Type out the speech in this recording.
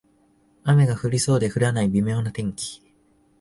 雨が降りそうで降らない微妙な天気